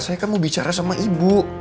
saya kan mau bicara sama ibu